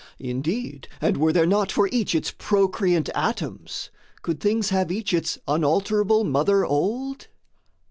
Indeed, and were there not For each its procreant atoms, could things have Each its unalterable mother old?